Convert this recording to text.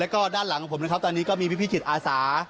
แล้วก็ด้านหลังของผมนะครับตอนนี้ก็มีพี่จิตอาสา